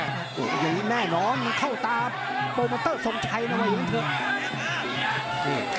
อย่างนี้แน่นอนเข้าตาโปรโมเตอร์สมชัยนะว่าอย่างเท่านั้น